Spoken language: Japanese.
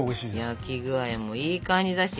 焼き具合もいい感じだし。